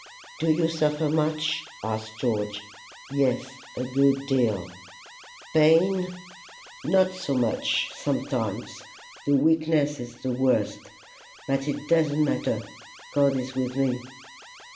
"Do you suffer much?" asked George. "Yes a good deal." "Pain?" "Not so much; sometimes. The weakness is the worst. But it doesn't matter: God is with me."